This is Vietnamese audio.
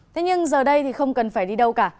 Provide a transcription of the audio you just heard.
thế nhưng giờ đây thì không cần phải đi đâu cả